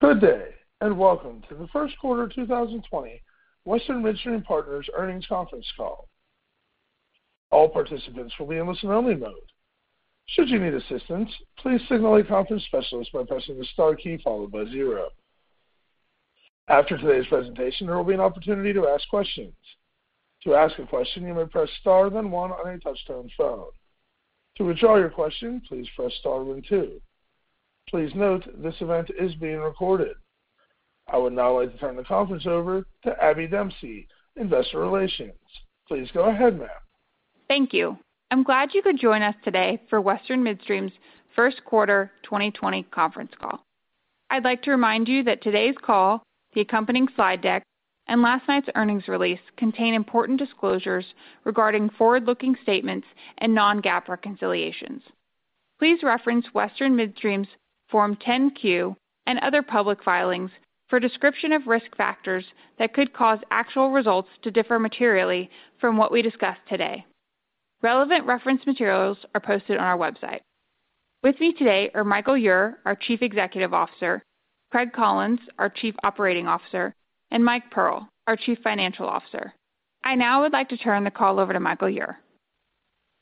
Good day, and welcome to the first quarter 2020 Western Midstream Partners earnings conference call. All participants will be in listen-only mode. Should you need assistance, please signal a conference specialist by pressing the star key followed by zero. After today's presentation, there will be an opportunity to ask questions. To ask a question, you may press star then one on your touchtone phone. To withdraw your question, please press star then two. Please note this event is being recorded. I would now like to turn the conference over to Abby Dempsey, Investor Relations. Please go ahead, ma'am. Thank you. I'm glad you could join us today for Western Midstream's first quarter 2020 conference call. I'd like to remind you that today's call, the accompanying slide deck, and last night's earnings release contain important disclosures regarding forward-looking statements and non-GAAP reconciliations. Please reference Western Midstream's Form 10-Q and other public filings for a description of risk factors that could cause actual results to differ materially from what we discuss today. Relevant reference materials are posted on our website. With me today are Michael Ure, our Chief Executive Officer, Craig Collins, our Chief Operating Officer, and Mike Pearl, our Chief Financial Officer. I now would like to turn the call over to Michael Ure.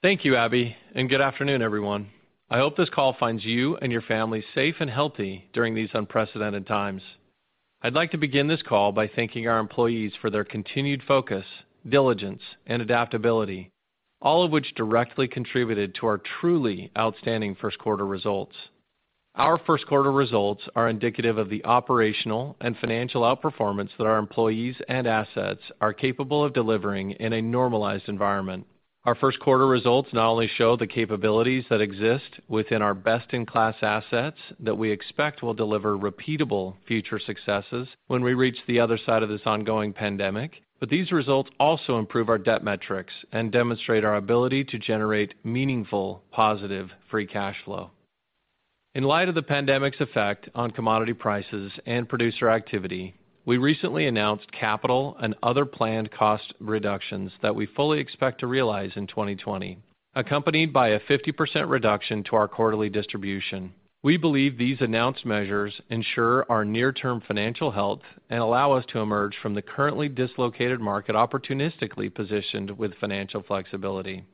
Thank you, Abby, and good afternoon, everyone. I hope this call finds you and your family safe and healthy during these unprecedented times. I'd like to begin this call by thanking our employees for their continued focus, diligence, and adaptability, all of which directly contributed to our truly outstanding first quarter results. Our first quarter results are indicative of the operational and financial outperformance that our employees and assets are capable of delivering in a normalized environment. Our first quarter results not only show the capabilities that exist within our best-in-class assets that we expect will deliver repeatable future successes when we reach the other side of this ongoing pandemic, but these results also improve our debt metrics and demonstrate our ability to generate meaningful, positive free cash flow. In light of the pandemic's effect on commodity prices and producer activity, we recently announced capital and other planned cost reductions that we fully expect to realize in 2020, accompanied by a 50% reduction to our quarterly distribution. We believe these announced measures ensure our near-term financial health and allow us to emerge from the currently dislocated market opportunistically positioned with financial flexibility.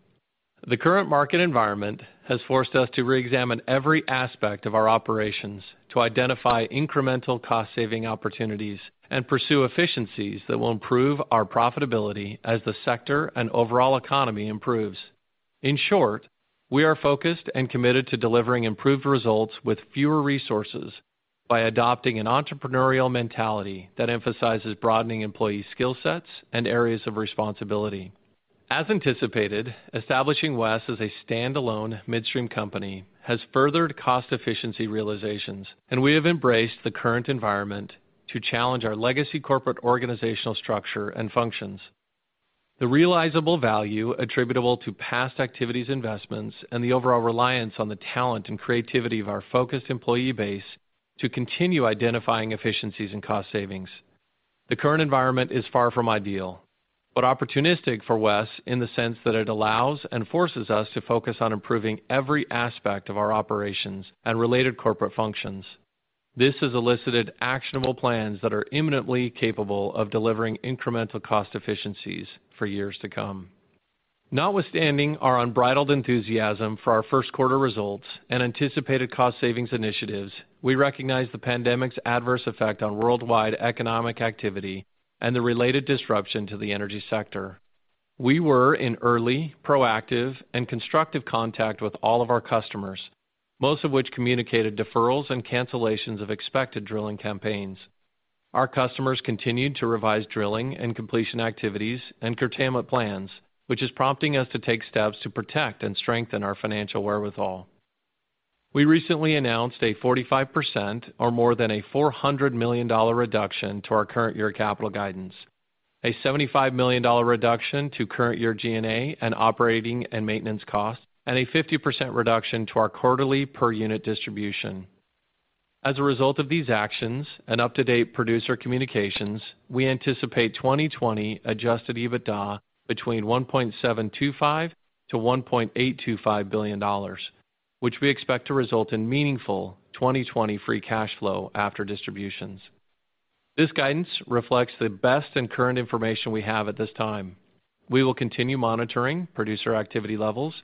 The current market environment has forced us to reexamine every aspect of our operations to identify incremental cost-saving opportunities and pursue efficiencies that will improve our profitability as the sector and overall economy improves. In short, we are focused and committed to delivering improved results with fewer resources by adopting an entrepreneurial mentality that emphasizes broadening employee skill sets and areas of responsibility. As anticipated, establishing WES as a standalone midstream company has furthered cost efficiency realizations, and we have embraced the current environment to challenge our legacy corporate organizational structure and functions, the realizable value attributable to past activities investments, and the overall reliance on the talent and creativity of our focused employee base to continue identifying efficiencies and cost savings. The current environment is far from ideal, but opportunistic for WES in the sense that it allows and forces us to focus on improving every aspect of our operations and related corporate functions. This has elicited actionable plans that are imminently capable of delivering incremental cost efficiencies for years to come. Notwithstanding our unbridled enthusiasm for our first quarter results and anticipated cost savings initiatives, we recognize the pandemic's adverse effect on worldwide economic activity and the related disruption to the energy sector. We were in early, proactive, and constructive contact with all of our customers, most of which communicated deferrals and cancellations of expected drilling campaigns. Our customers continued to revise drilling and completion activities and curtailment plans, which is prompting us to take steps to protect and strengthen our financial wherewithal. We recently announced a 45% or more than a $400 million reduction to our current year capital guidance, a $75 million reduction to current year G&A and operating and maintenance costs, and a 50% reduction to our quarterly per-unit distribution. As a result of these actions and up-to-date producer communications, we anticipate 2020 Adjusted EBITDA between $1.725 billion-$1.825 billion, which we expect to result in meaningful 2020 free cash flow after distributions. This guidance reflects the best and current information we have at this time. We will continue monitoring producer activity levels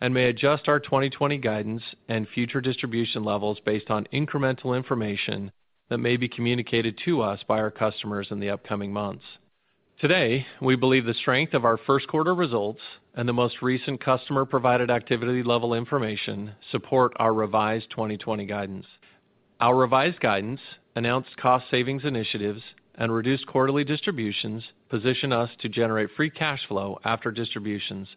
and may adjust our 2020 guidance and future distribution levels based on incremental information that may be communicated to us by our customers in the upcoming months. Today, we believe the strength of our first quarter results and the most recent customer-provided activity level information support our revised 2020 guidance. Our revised guidance, announced cost savings initiatives, and reduced quarterly distributions position us to generate free cash flow after distributions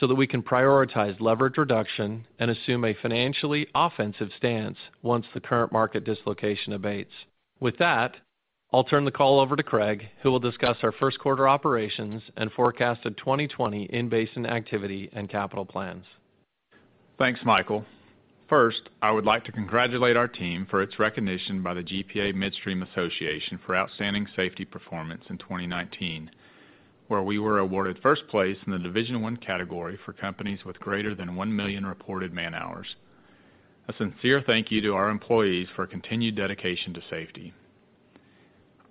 so that we can prioritize leverage reduction and assume a financially offensive stance once the current market dislocation abates. With that, I'll turn the call over to Craig, who will discuss our first quarter operations and forecasted 2020 in-basin activity and capital plans. Thanks, Michael. First, I would like to congratulate our team for its recognition by the GPA Midstream Association for outstanding safety performance in 2019. We were awarded first place in the Division One category for companies with greater than 1 million reported man-hours. A sincere thank you to our employees for continued dedication to safety.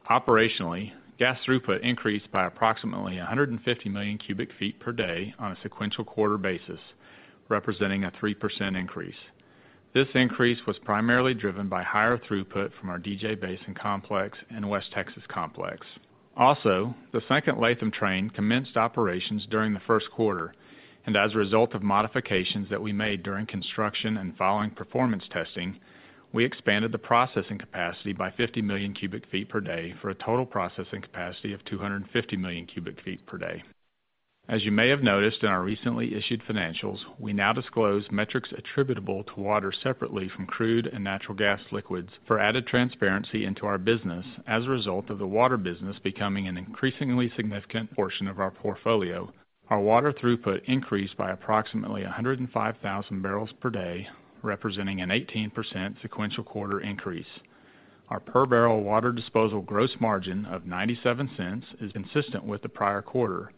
Operationally, gas throughput increased by approximately 150 million cubic feet per day on a sequential quarter basis, representing a 3% increase. This increase was primarily driven by higher throughput from our DJ Basin complex and West Texas complex. Also, the second Latham train commenced operations during the first quarter, and as a result of modifications that we made during construction and following performance testing, we expanded the processing capacity by 50 million cubic feet per day for a total processing capacity of 250 million cubic feet per day. As you may have noticed in our recently issued financials, we now disclose metrics attributable to water separately from crude and natural gas liquids for added transparency into our business as a result of the water business becoming an increasingly significant portion of our portfolio. Our water throughput increased by approximately 105,000 bbl per day, representing an 18% sequential quarter increase. Our per-barrel water disposal gross margin of $0.97 is consistent with the prior quarter.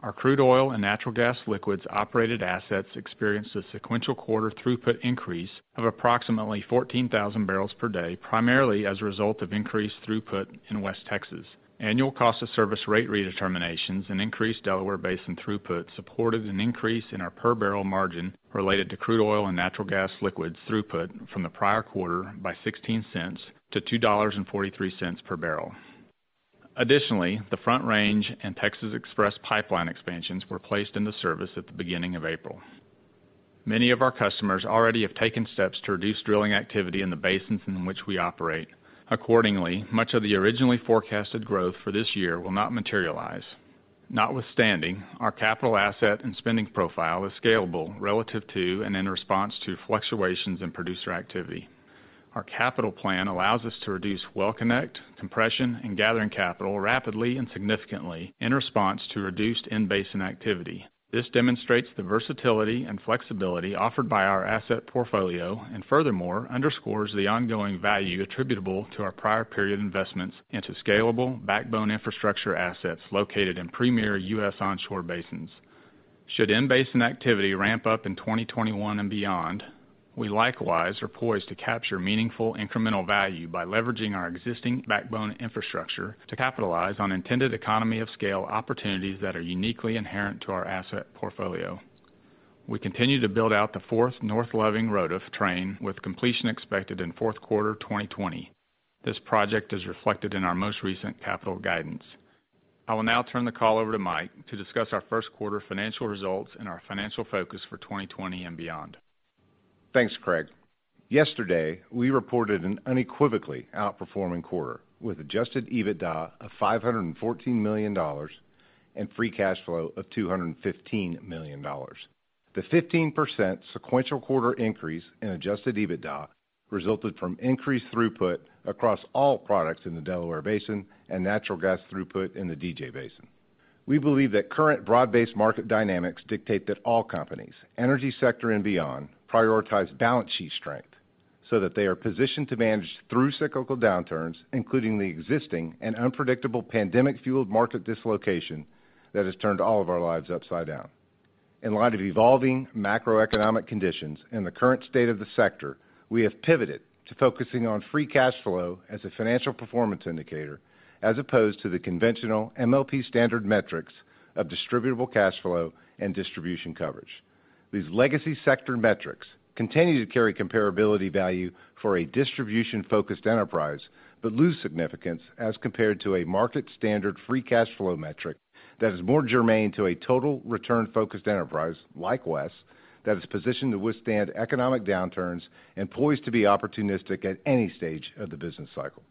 Our crude oil and natural gas liquids operated assets experienced a sequential quarter throughput increase of approximately 14,000 bbl per day, primarily as a result of increased throughput in West Texas. Annual cost of service rate redeterminations and increased Delaware Basin throughput supported an increase in our per-barrel margin related to crude oil and natural gas liquids throughput from the prior quarter by $0.16 to $2.43 per barrel. Additionally, the Front Range and Texas Express pipeline expansions were placed into service at the beginning of April. Many of our customers already have taken steps to reduce drilling activity in the basins in which we operate. Accordingly, much of the originally forecasted growth for this year will not materialize. Notwithstanding, our capital asset and spending profile is scalable relative to and in response to fluctuations in producer activity. Our capital plan allows us to reduce well connect, compression, and gathering capital rapidly and significantly in response to reduced in-basin activity. This demonstrates the versatility and flexibility offered by our asset portfolio and furthermore underscores the ongoing value attributable to our prior period investments into scalable backbone infrastructure assets located in premier U.S. onshore basins. Should in-basin activity ramp up in 2021 and beyond, we likewise are poised to capture meaningful incremental value by leveraging our existing backbone infrastructure to capitalize on intended economy of scale opportunities that are uniquely inherent to our asset portfolio. We continue to build out the fourth North Loving ROTF train, with completion expected in fourth quarter 2020. This project is reflected in our most recent capital guidance. I will now turn the call over to Mike to discuss our first quarter financial results and our financial focus for 2020 and beyond. Thanks, Craig. Yesterday, we reported an unequivocally outperforming quarter, with Adjusted EBITDA of $514 million and free cash flow of $215 million. The 15% sequential quarter increase in Adjusted EBITDA resulted from increased throughput across all products in the Delaware Basin and natural gas throughput in the DJ Basin. We believe that current broad-based market dynamics dictate that all companies, energy sector and beyond, prioritize balance sheet strength so that they are positioned to manage through cyclical downturns, including the existing and unpredictable pandemic-fueled market dislocation that has turned all of our lives upside down. In light of evolving macroeconomic conditions and the current state of the sector, we have pivoted to focusing on free cash flow as a financial performance indicator as opposed to the conventional MLP standard metrics of distributable cash flow and distribution coverage. These legacy sector metrics continue to carry comparability value for a distribution-focused enterprise, but lose significance as compared to a market-standard free cash flow metric that is more germane to a total return-focused enterprise like WES that is positioned to withstand economic downturns and poised to be opportunistic at any stage of the business cycle.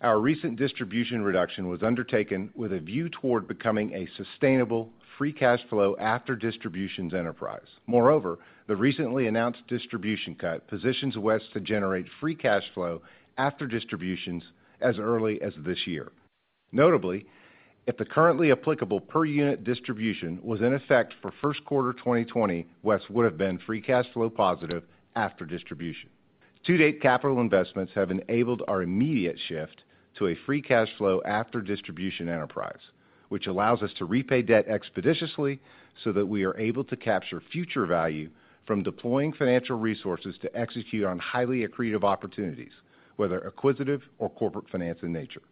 Our recent distribution reduction was undertaken with a view toward becoming a sustainable free cash flow after distributions enterprise. Moreover, the recently announced distribution cut positions WES to generate free cash flow after distributions as early as this year. Notably, if the currently applicable per-unit distribution was in effect for first quarter 2020, WES would have been free cash flow positive after distribution. To-date capital investments have enabled our immediate shift to a free cash flow after distribution enterprise, which allows us to repay debt expeditiously so that we are able to capture future value from deploying financial resources to execute on highly accretive opportunities, whether acquisitive or corporate finance in nature.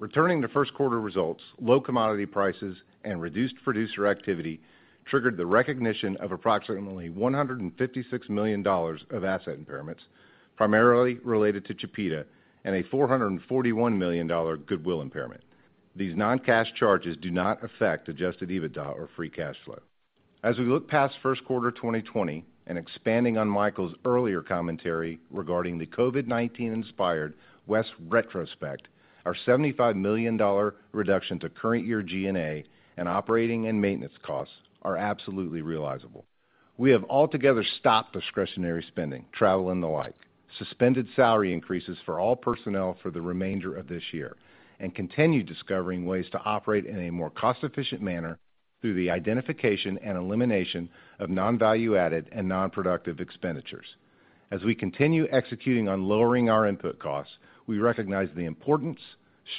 Returning to first quarter results, low commodity prices and reduced producer activity triggered the recognition of approximately $156 million of asset impairments, primarily related to Chipeta, and a $441 million goodwill impairment. These non-cash charges do not affect Adjusted EBITDA or free cash flow. As we look past first quarter 2020 and expanding on Michael's earlier commentary regarding the COVID-19-inspired WES retrospect, our $75 million reduction to current year G&A and operating and maintenance costs are absolutely realizable. We have altogether stopped discretionary spending, travel and the like, suspended salary increases for all personnel for the remainder of this year, and continue discovering ways to operate in a more cost-efficient manner, through the identification and elimination of non-value added and non-productive expenditures. As we continue executing on lowering our input costs, we recognize the importance,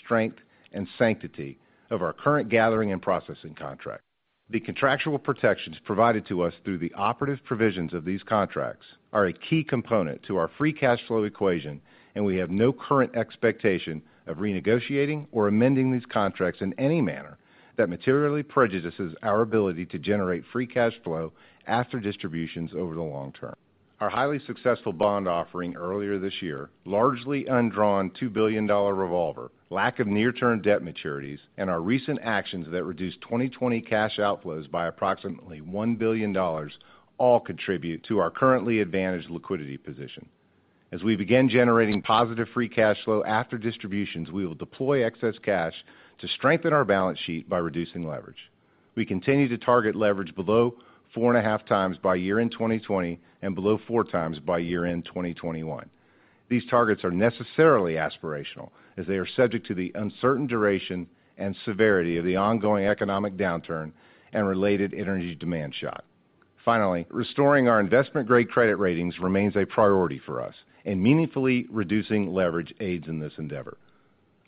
strength, and sanctity of our current gathering and processing contract. The contractual protections provided to us through the operative provisions of these contracts are a key component to our free cash flow equation, and we have no current expectation of renegotiating or amending these contracts in any manner that materially prejudices our ability to generate free cash flow after distributions over the long term. Our highly successful bond offering earlier this year, largely undrawn $2 billion revolver, lack of near-term debt maturities, and our recent actions that reduced 2020 cash outflows by approximately $1 billion, all contribute to our currently advantaged liquidity position. As we begin generating positive free cash flow after distributions, we will deploy excess cash to strengthen our balance sheet by reducing leverage. We continue to target leverage below 4.5x by year-end 2020 and below 4x by year-end 2021. These targets are necessarily aspirational, as they are subject to the uncertain duration and severity of the ongoing economic downturn and related energy demand shock. Restoring our investment-grade credit ratings remains a priority for us, and meaningfully reducing leverage aids in this endeavor.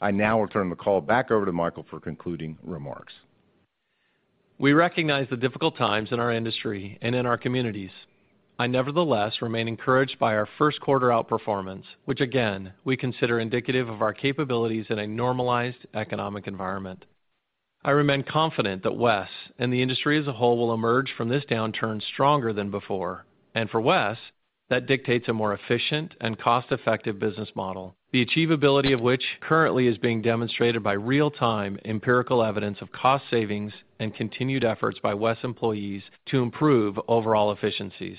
I now will turn the call back over to Michael for concluding remarks. We recognize the difficult times in our industry and in our communities. I nevertheless remain encouraged by our first quarter outperformance, which again, we consider indicative of our capabilities in a normalized economic environment. I remain confident that WES and the industry as a whole will emerge from this downturn stronger than before. For WES, that dictates a more efficient and cost-effective business model, the achievability of which currently is being demonstrated by real-time empirical evidence of cost savings and continued efforts by WES employees to improve overall efficiencies.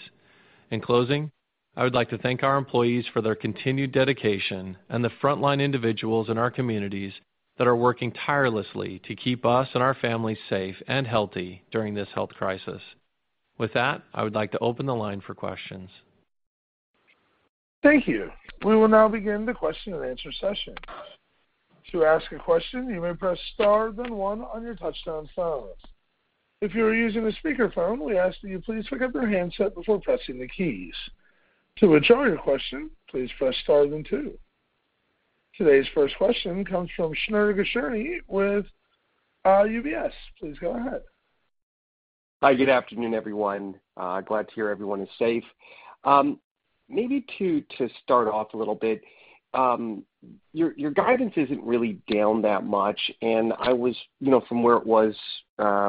In closing, I would like to thank our employees for their continued dedication and the frontline individuals in our communities that are working tirelessly to keep us and our families safe and healthy during this health crisis. With that, I would like to open the line for questions. Thank you. We will now begin the question and answer session. To ask a question, you may press star then one on your touch-tone phones. If you are using a speakerphone, we ask that you please pick up your handset before pressing the keys. To withdraw your question, please press star then two. Today's first question comes from Shneur Gershuni with UBS. Please go ahead. Hi, good afternoon, everyone. Glad to hear everyone is safe. Maybe to start off a little bit, your guidance isn't really down that much, from where it was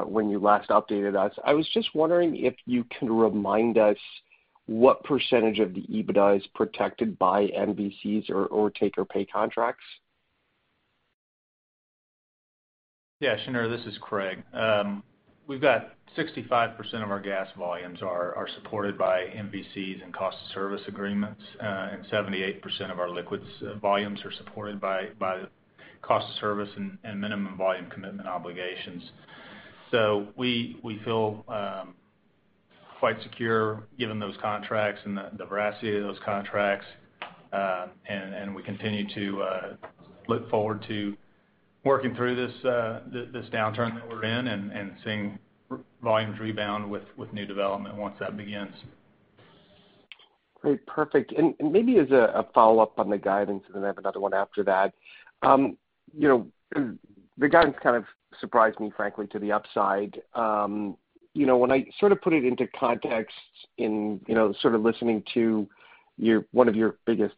when you last updated us. I was just wondering if you can remind us what percentage of the EBITDA is protected by MVCs or take-or-pay contracts. Yeah, Shneur, this is Craig. We've got 65% of our gas volumes are supported by MVCs and cost of service agreements, and 78% of our liquids volumes are supported by cost of service and minimum volume commitment obligations. We feel quite secure given those contracts and the veracity of those contracts. We continue to look forward to working through this downturn that we're in and seeing volumes rebound with new development once that begins. Great, perfect. Maybe as a follow-up on the guidance, and then I have another one after that. The guidance kind of surprised me, frankly, to the upside. When I put it into context in listening to one of your biggest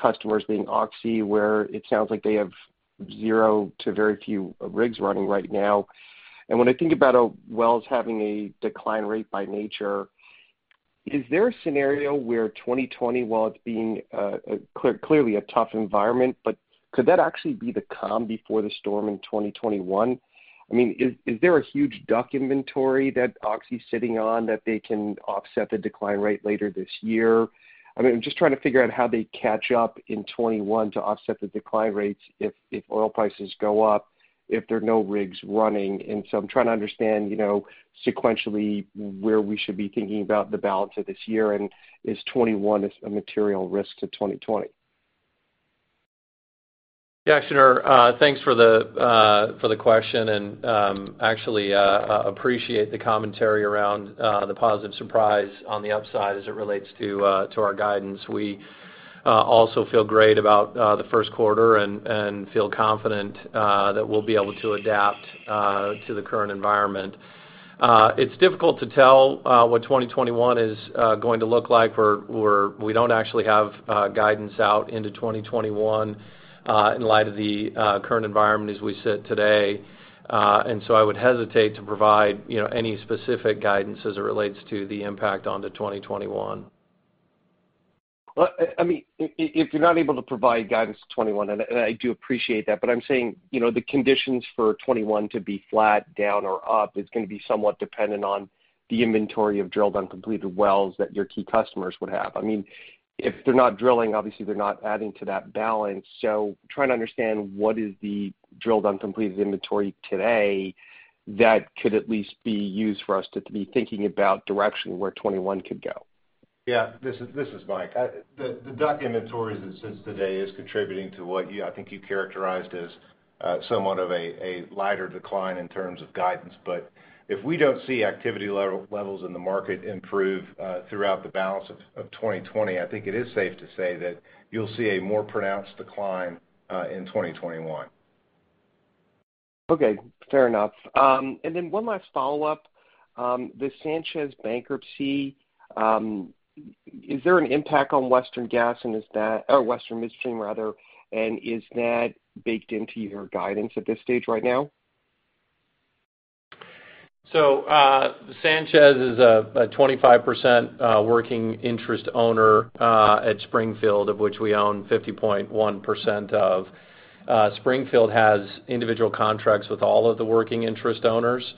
customers being Oxy, where it sounds like they have zero to very few rigs running right now. When I think about wells having a decline rate by nature, is there a scenario where 2020, while it's been clearly a tough environment, but could that actually be the calm before the storm in 2021? Is there a huge DUC inventory that Oxy's sitting on that they can offset the decline rate later this year? I'm just trying to figure out how they catch up in 2021 to offset the decline rates if oil prices go up, if there are no rigs running. I'm trying to understand sequentially where we should be thinking about the balance of this year, and is 2021 a material risk to 2020? Yeah, Shneur, thanks for the question actually appreciate the commentary around the positive surprise on the upside as it relates to our guidance. We also feel great about the first quarter and feel confident that we'll be able to adapt to the current environment. It's difficult to tell what 2021 is going to look like. We don't actually have guidance out into 2021 in light of the current environment as we sit today. I would hesitate to provide any specific guidance as it relates to the impact onto 2021. If you're not able to provide guidance to 2021, and I do appreciate that, but I'm saying, the conditions for 2021 to be flat, down, or up, it's going to be somewhat dependent on the inventory of drilled, uncompleted wells that your key customers would have. If they're not drilling, obviously, they're not adding to that balance. Trying to understand what is the drilled, uncompleted inventory today that could at least be used for us to be thinking about directionally where 2021 could go? Yeah. This is Mike. The DUC inventory as it sits today is contributing to what I think you characterized as somewhat of a lighter decline in terms of guidance. If we don't see activity levels in the market improve throughout the balance of 2020, I think it is safe to say that you'll see a more pronounced decline in 2021. Okay, fair enough. Then one last follow-up. The Sanchez bankruptcy, is there an impact on Western Gas or Western Midstream rather, and is that baked into your guidance at this stage right now? Sanchez is a 25% working interest owner at Springfield, of which we own 50.1% of. Springfield has individual contracts with all of the working interest owners.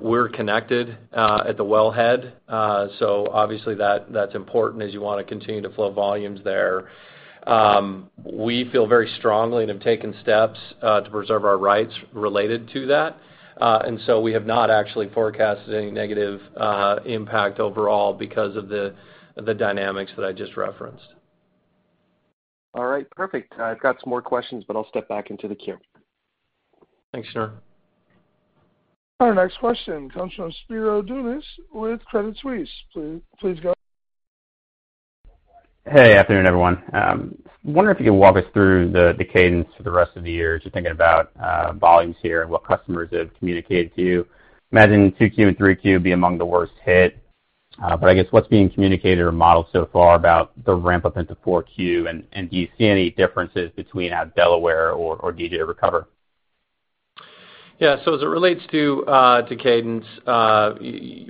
We're connected at the wellhead, obviously that's important as you want to continue to flow volumes there. We feel very strongly, have taken steps to preserve our rights related to that. We have not actually forecasted any negative impact overall because of the dynamics that I just referenced. All right, perfect. I've got some more questions, but I'll step back into the queue. Thanks, sir. Our next question comes from Spiro Dounis with Credit Suisse. Please go ahead. Hey, afternoon everyone. Wondering if you could walk us through the cadence for the rest of the year, just thinking about volumes here and what customers have communicated to you. Imagining Q2 and Q3 will be among the worst hit. I guess what's being communicated or modeled so far about the ramp up into 4Q, and do you see any differences between at Delaware or DJ recover? As it relates to cadence,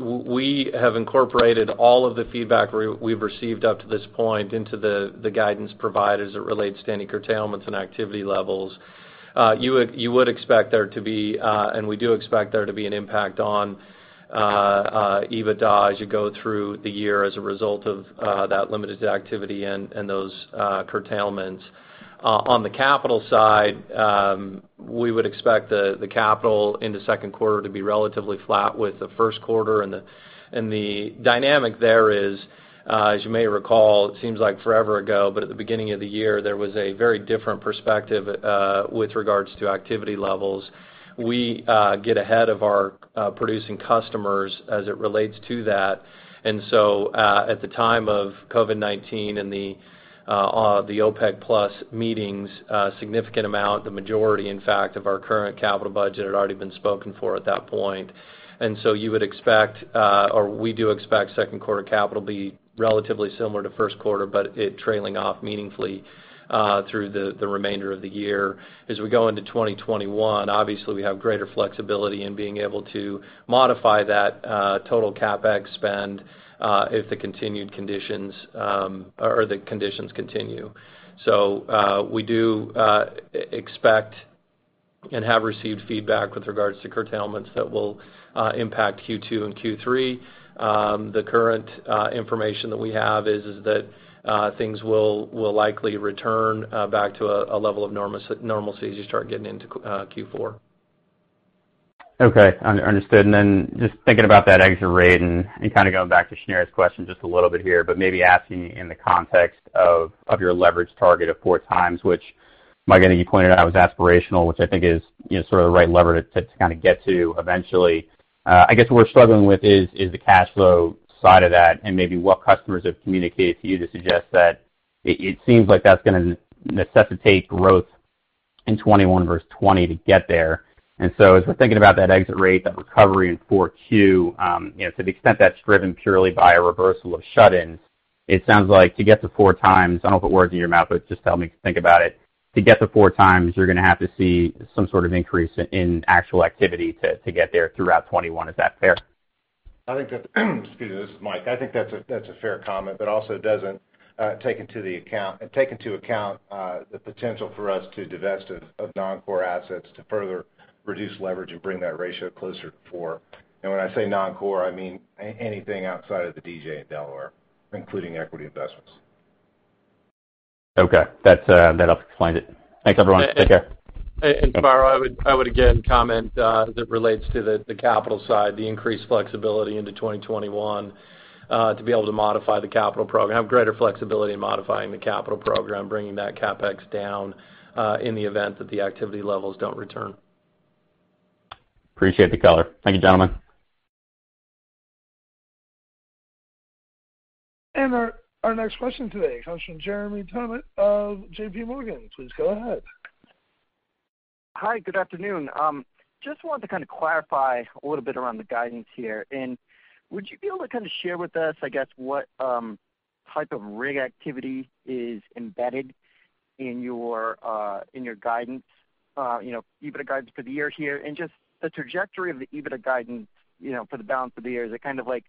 we have incorporated all of the feedback we've received up to this point into the guidance provided as it relates to any curtailments and activity levels. You would expect there to be, and we do expect there to be, an impact on EBITDA as you go through the year as a result of that limited activity and those curtailments. On the capital side, we would expect the capital in the second quarter to be relatively flat with the first quarter. The dynamic there is, as you may recall, it seems like forever ago, but at the beginning of the year, there was a very different perspective with regards to activity levels. We get ahead of our producing customers as it relates to that. At the time of COVID-19 and the OPEC+ meetings, a significant amount, the majority in fact, of our current capital budget had already been spoken for at that point. You would expect, or we do expect second quarter capital be relatively similar to first quarter, but it trailing off meaningfully through the remainder of the year. As we go into 2021, obviously, we have greater flexibility in being able to modify that total CapEx spend, if the conditions continue. We do expect and have received feedback with regards to curtailments that will impact Q2 and Q3. The current information that we have is that things will likely return back to a level of normalcy as you start getting into Q4. Okay. Understood. Then just thinking about that exit rate and kind of going back to Shneur's question just a little bit here, maybe asking in the context of your leverage target of 4x, which Mike, I think you pointed out, was aspirational, which I think is sort of the right lever to kind of get to eventually. I guess what we're struggling with is the cash flow side of that and maybe what customers have communicated to you to suggest that it seems like that's going to necessitate growth in 2021 versus 2020 to get there. As we're thinking about that exit rate, that recovery in 4Q, to the extent that's driven purely by a reversal of shut-ins, it sounds like to get to 4x, I don't know if it works in your math, just help me think about it. To get to 4x, you're going to have to see some sort of increase in actual activity to get there throughout 2021. Is that fair? Excuse me. This is Mike. I think that's a fair comment, but also doesn't take into account the potential for us to divest of non-core assets to further reduce leverage and bring that ratio closer to four. When I say non-core, I mean anything outside of the DJ and Delaware, including equity investments. Okay. That helps explain it. Thanks, everyone. Take care. Spiro, I would again comment as it relates to the capital side, the increased flexibility into 2021 to be able to modify the capital program, have greater flexibility in modifying the capital program, bringing that CapEx down, in the event that the activity levels don't return. Appreciate the color. Thank you, gentlemen. Our next question today comes from Jeremy Tonet of JPMorgan. Please go ahead. Hi, good afternoon. Just wanted to kind of clarify a little bit around the guidance here. Would you be able to kind of share with us, I guess, what type of rig activity is embedded in your guidance, EBITDA guidance for the year here? Just the trajectory of the EBITDA guidance for the balance of the year. Is it kind of like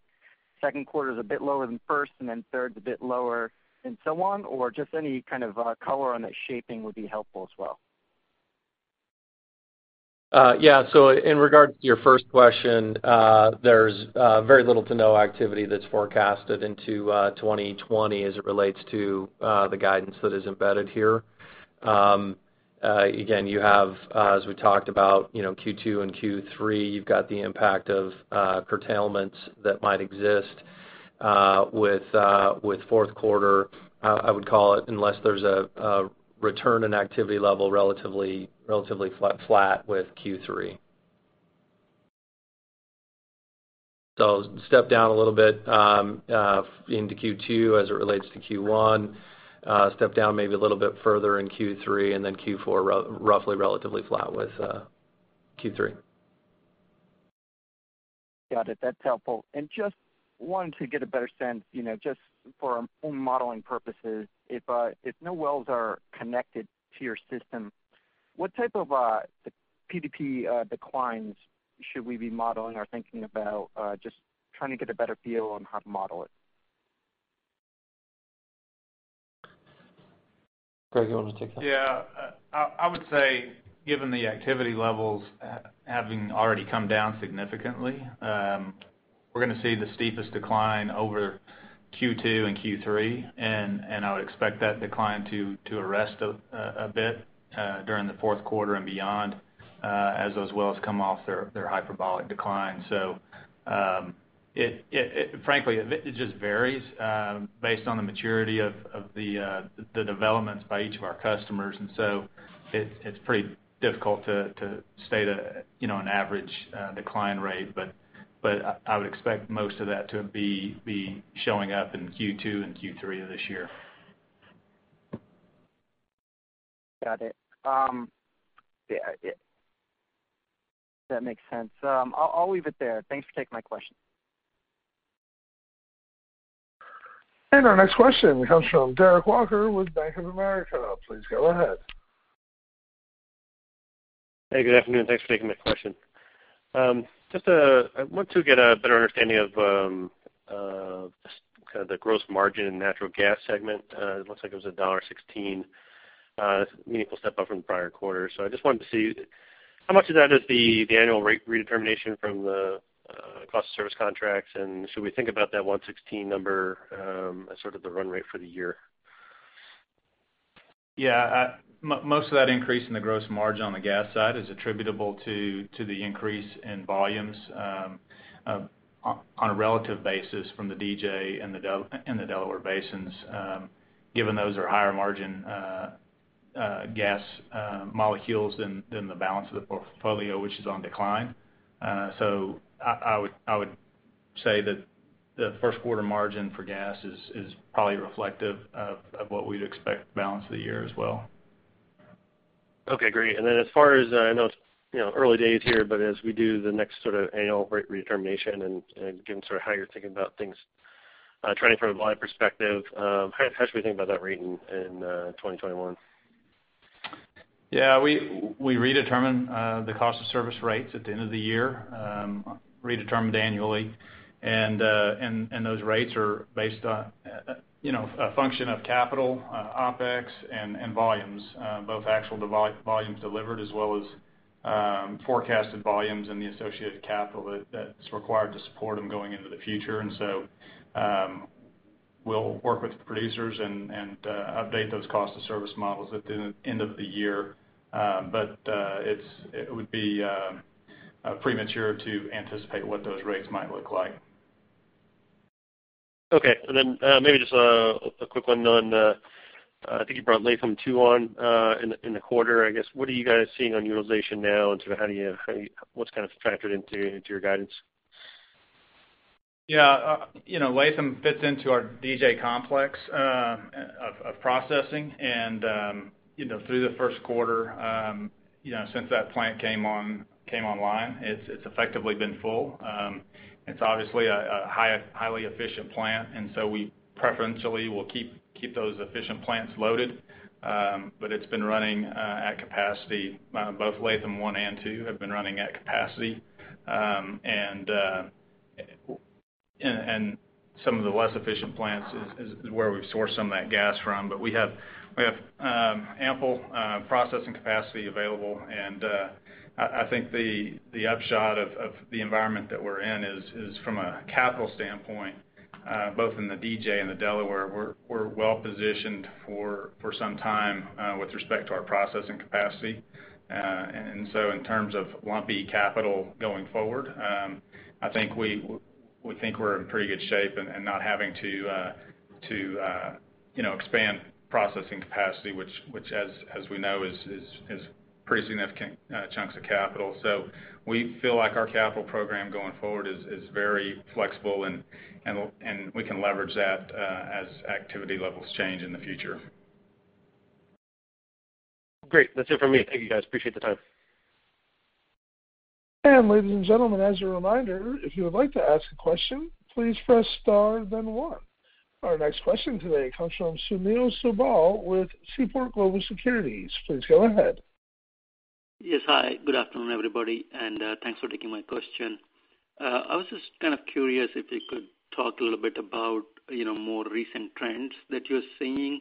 second quarter's a bit lower than first, and then third's a bit lower and so on, or just any kind of color on the shaping would be helpful as well. Yeah. In regard to your first question, there's very little to no activity that's forecasted into 2020 as it relates to the guidance that is embedded here. Again, you have, as we talked about, Q2 and Q3, you've got the impact of curtailments that might exist with fourth quarter, I would call it, unless there's a return in activity level relatively flat with Q3. Step down a little bit into Q2 as it relates to Q1. Step down maybe a little bit further in Q3, Q4 roughly relatively flat with Q3. Got it. That's helpful. Just wanted to get a better sense, just for our own modeling purposes, if no wells are connected to your system, what type of PDP declines should we be modeling or thinking about? Just trying to get a better feel on how to model it. Craig, you want to take that? I would say given the activity levels having already come down significantly, we're going to see the steepest decline over Q2 and Q3, and I would expect that decline to arrest a bit during the fourth quarter and beyond, as those wells come off their hyperbolic decline. Frankly, it just varies based on the maturity of the developments by each of our customers, and so it's pretty difficult to state an average decline rate. I would expect most of that to be showing up in Q2 and Q3 of this year. Got it. Yeah. That makes sense. I'll leave it there. Thanks for taking my question. Our next question comes from Derek Walker with Bank of America. Please go ahead. Hey, good afternoon. Thanks for taking my question. I want to get a better understanding of kind of the gross margin in natural gas segment. It looks like it was $1.16, a meaningful step up from the prior quarter. I just wanted to see, how much of that is the annual rate redetermination from the cost of service contracts, and should we think about that $1.16 number as sort of the run rate for the year? Yeah. Most of that increase in the gross margin on the gas side is attributable to the increase in volumes on a relative basis from the DJ and the Delaware basins, given those are higher margin gas molecules than the balance of the portfolio, which is on decline. I would say that the first quarter margin for gas is probably reflective of what we'd expect the balance of the year as well. Okay, great. I know it's early days here, but as we do the next sort of annual rate redetermination and given sort of how you're thinking about things trending from a volume perspective, how should we think about that rate in 2021? We redetermine the cost of service rates at the end of the year, redetermined annually. Those rates are based on a function of capital, OpEx, and volumes, both actual volumes delivered as well as forecasted volumes and the associated capital that's required to support them going into the future. We'll work with the producers and update those cost of service models at the end of the year. It would be premature to anticipate what those rates might look like. Okay. Maybe just a quick one on, I think you brought Latham II on in the quarter, I guess. What are you guys seeing on utilization now, and sort of what's kind of factored into your guidance? Yeah. Latham fits into our DJ complex of processing. Through the first quarter, since that plant came online, it's effectively been full. It's obviously a highly efficient plant, and so we preferentially will keep those efficient plants loaded. It's been running at capacity. Both Latham I and II have been running at capacity. Some of the less efficient plants is where we've sourced some of that gas from. We have ample processing capacity available, and I think the upshot of the environment that we're in is from a capital standpoint, both in the DJ and the Delaware, we're well-positioned for some time with respect to our processing capacity. In terms of lumpy capital going forward, I think we're in pretty good shape and not having to expand processing capacity, which as we know is pretty significant chunks of capital. We feel like our capital program going forward is very flexible, and we can leverage that as activity levels change in the future. Great. That's it for me. Thank you, guys. Appreciate the time. Ladies and gentlemen, as a reminder, if you would like to ask a question, please press star then one. Our next question today comes from Sunil Sibal with Seaport Global Securities. Please go ahead. Yes. Hi, good afternoon, everybody, and thanks for taking my question. I was just kind of curious if you could talk a little bit about more recent trends that you're seeing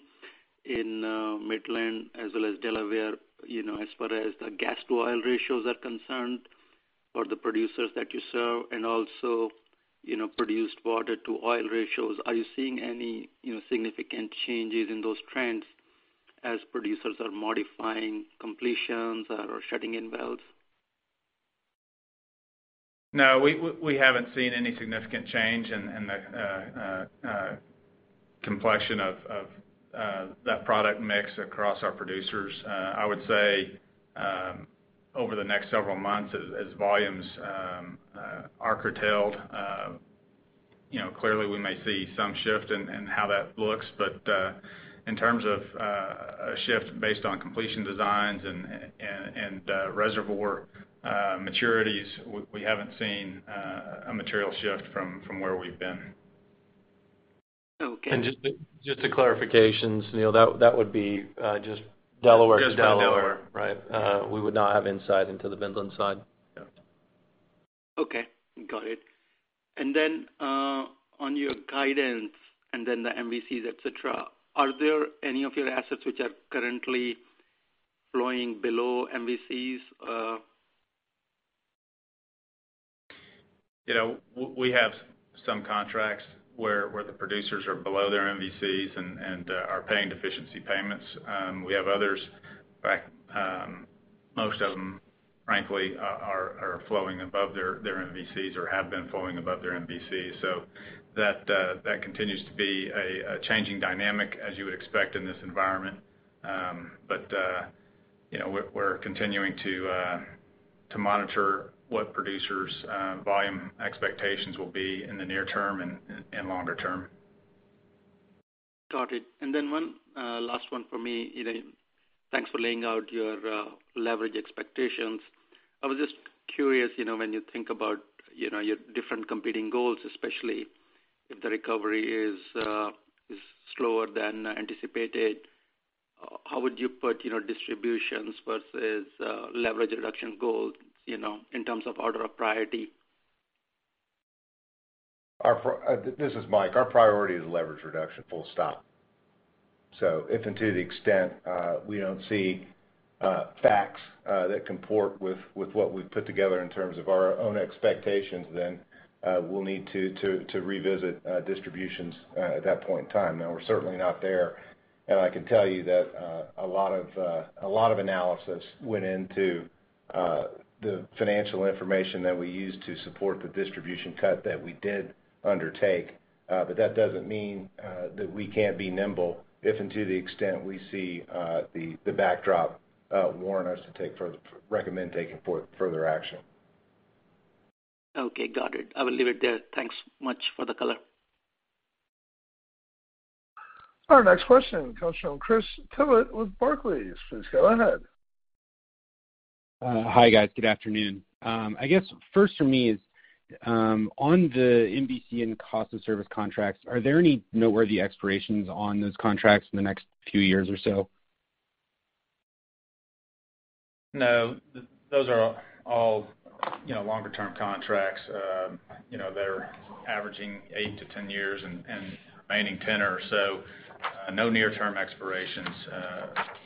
in Midland as well as Delaware, as far as the gas to oil ratios are concerned for the producers that you serve and also produced water to oil ratios, are you seeing any significant changes in those trends as producers are modifying completions or shutting in wells? No, we haven't seen any significant change in the complexion of that product mix across our producers. I would say over the next several months, as volumes are curtailed, clearly we may see some shift in how that looks. In terms of a shift based on completion designs and reservoir maturities, we haven't seen a material shift from where we've been. Okay. Just a clarification, Sunil, that would be just Delaware. Just Delaware. Right. We would not have insight into the Midland side. Yeah. Okay. Got it. On your guidance and then the MVCs, et cetera, are there any of your assets which are currently flowing below MVCs? We have some contracts where the producers are below their MVCs and are paying deficiency payments. We have others, in fact, most of them, frankly, are flowing above their MVCs or have been flowing above their MVCs. That continues to be a changing dynamic as you would expect in this environment. We're continuing to monitor what producers' volume expectations will be in the near term and longer term. Got it. One last one for me, Elaine. Thanks for laying out your leverage expectations. I was just curious, when you think about your different competing goals, especially if the recovery is slower than anticipated, how would you put distributions versus leverage reduction goals, in terms of order of priority? This is Mike. Our priority is leverage reduction, full stop. If and to the extent we don't see facts that comport with what we've put together in terms of our own expectations, then we'll need to revisit distributions at that point in time. Now, we're certainly not there. I can tell you that a lot of analysis went into the financial information that we used to support the distribution cut that we did undertake. That doesn't mean that we can't be nimble if and to the extent we see the backdrop warrant us to recommend taking further action. Okay, got it. I will leave it there. Thanks much for the color. Our next question comes from Chris Tillett with Barclays. Please go ahead. Hi, guys. Good afternoon. I guess first for me is, on the MVC and cost of service contracts, are there any noteworthy expirations on those contracts in the next few years or so? No. Those are all longer-term contracts. They're averaging 8 to 10 years and remaining 10 or so. No near-term expirations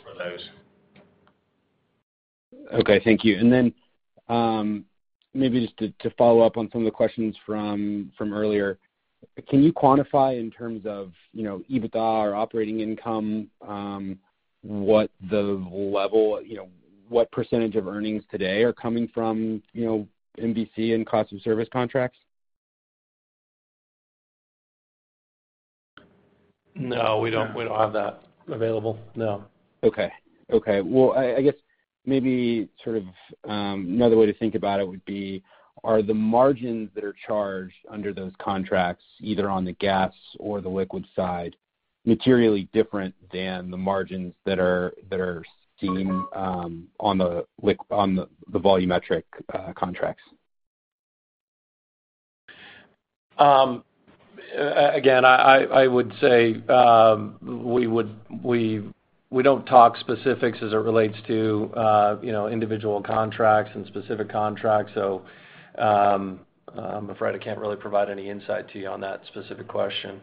for those. Okay, thank you. Maybe just to follow up on some of the questions from earlier, can you quantify in terms of EBITDA or operating income what percent of earnings today are coming from MVC and cost of service contracts? No, we don't have that available. No. Well, I guess maybe another way to think about it would be, are the margins that are charged under those contracts, either on the gas or the liquid side, materially different than the margins that are seen on the volumetric contracts? Again, I would say, we don't talk specifics as it relates to individual contracts and specific contracts. I'm afraid I can't really provide any insight to you on that specific question.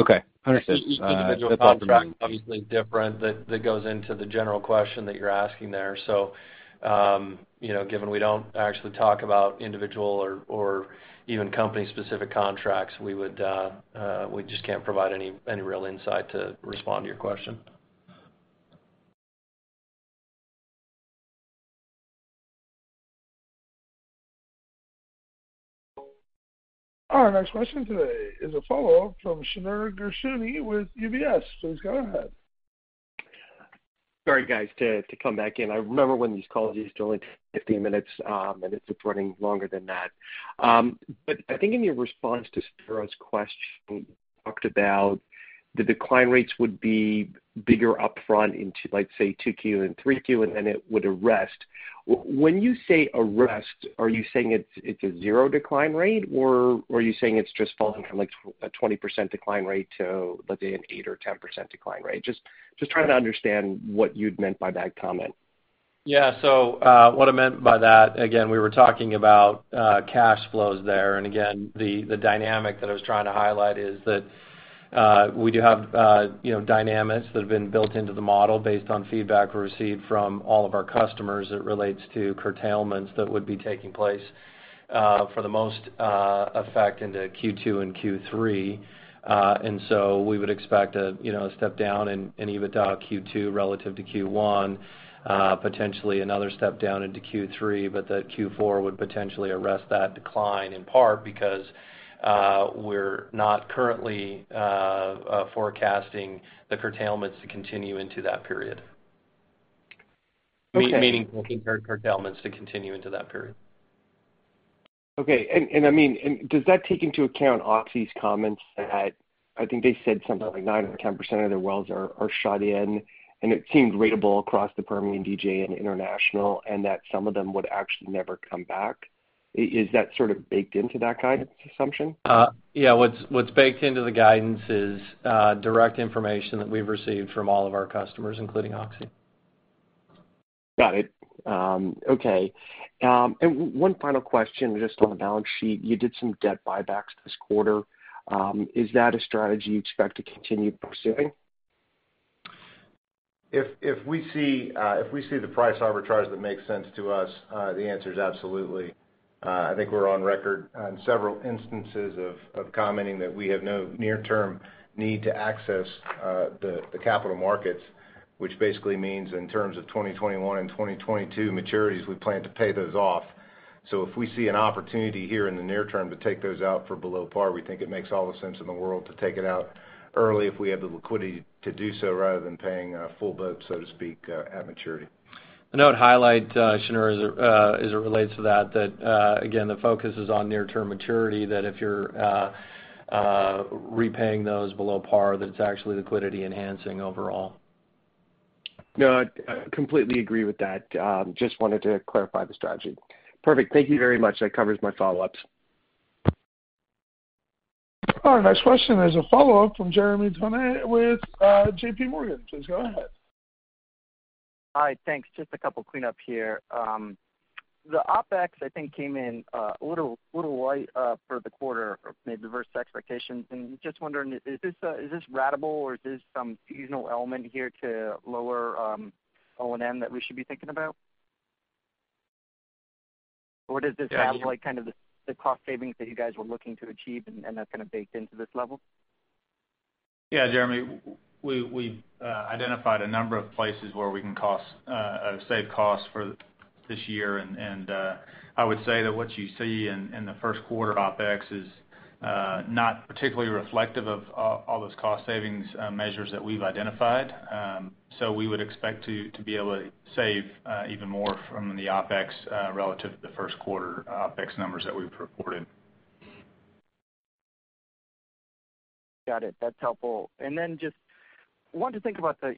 Okay. Understood. That's all for me. Each individual contract is obviously different. That goes into the general question that you're asking there. Given we don't actually talk about individual or even company-specific contracts, we just can't provide any real insight to respond to your question. Our next question today is a follow-up from Shneur Gershuni with UBS. Please go ahead. Sorry, guys, to come back in. I remember when these calls used to only 15 minutes, and it's running longer than that. I think in your response to Spiro's question, you talked about the decline rates would be bigger upfront into, let's say, Q2 and Q3, and then it would arrest. When you say arrest, are you saying it's a zero decline rate, or are you saying it's just falling from a 20% decline rate to, let's say, an 8% or 10% decline rate? Just trying to understand what you'd meant by that comment. Yeah. What I meant by that, again, we were talking about cash flows there. Again, the dynamic that I was trying to highlight is that we do have dynamics that have been built into the model based on feedback we received from all of our customers that relates to curtailments that would be taking place for the most effect into Q2 and Q3. We would expect a step down in EBITDA Q2 relative to Q1, potentially another step down into Q3, but that Q4 would potentially arrest that decline in part because we're not currently forecasting the curtailments to continue into that period. Okay. Meaning, we think our curtailments to continue into that period. Okay. Does that take into account Oxy's comments that, I think they said something like 9% or 10% of their wells are shut in, and it seemed ratable across the Permian, DJ, and international, and that some of them would actually never come back. Is that sort of baked into that guidance assumption? Yeah. What's baked into the guidance is direct information that we've received from all of our customers, including Oxy. Got it. Okay. One final question, just on the balance sheet. You did some debt buybacks this quarter. Is that a strategy you expect to continue pursuing? If we see the price arbitrage that makes sense to us, the answer is absolutely. I think we're on record on several instances of commenting that we have no near-term need to access the capital markets, which basically means in terms of 2021 and 2022 maturities, we plan to pay those off. If we see an opportunity here in the near term to take those out for below par, we think it makes all the sense in the world to take it out early if we have the liquidity to do so rather than paying full boat, so to speak, at maturity. I would highlight, Shneur, as it relates to that again, the focus is on near-term maturity, that if you're repaying those below par, that it's actually liquidity enhancing overall. No, I completely agree with that. Just wanted to clarify the strategy. Perfect. Thank you very much. That covers my follow-ups. All right, next question is a follow-up from Jeremy Tonet with JPMorgan. Please go ahead. Hi, thanks. Just a couple clean up here. The OpEx, I think, came in a little light for the quarter or maybe versus expectations. Just wondering, is this ratable or is this some seasonal element here to lower O&M that we should be thinking about? Yeah, I mean- Kind of the cost savings that you guys were looking to achieve and that's kind of baked into this level? Yeah, Jeremy, we identified a number of places where we can save costs for this year. I would say that what you see in the first quarter OpEx is not particularly reflective of all those cost savings measures that we've identified. We would expect to be able to save even more from the OpEx relative to the first quarter OpEx numbers that we've reported. Got it. That's helpful. Just wanted to think about the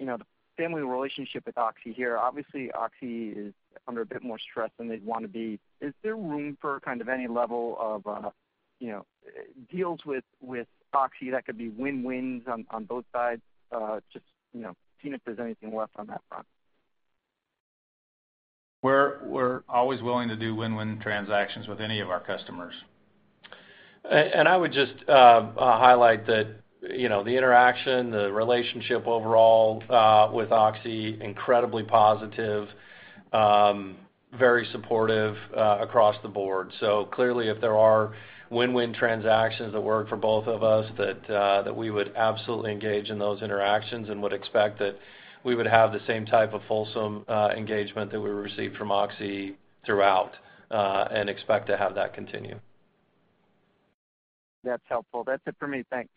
family relationship with Oxy here. Obviously, Oxy is under a bit more stress than they'd want to be. Is there room for any level of deals with Oxy that could be win-wins on both sides? Just seeing if there's anything left on that front. We're always willing to do win-win transactions with any of our customers. I would just highlight that the interaction, the relationship overall, with Oxy, incredibly positive, very supportive across the board. Clearly, if there are win-win transactions that work for both of us, that we would absolutely engage in those interactions and would expect that we would have the same type of fulsome engagement that we received from Oxy throughout, and expect to have that continue. That's helpful. That's it for me. Thanks.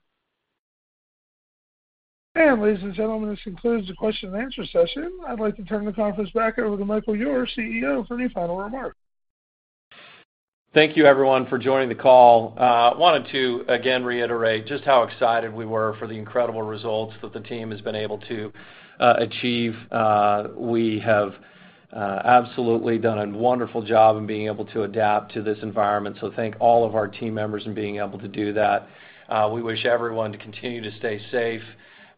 Ladies and gentlemen, this concludes the question and answer session. I'd like to turn the conference back over to Michael Ure, CEO, for any final remarks. Thank you everyone for joining the call. Wanted to, again, reiterate just how excited we were for the incredible results that the team has been able to achieve. We have absolutely done a wonderful job in being able to adapt to this environment. Thank all of our team members in being able to do that. We wish everyone to continue to stay safe,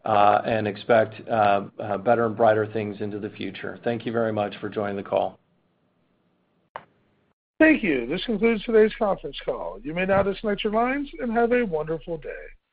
and expect better and brighter things into the future. Thank you very much for joining the call. Thank you. This concludes today's conference call. You may now disconnect your lines and have a wonderful day.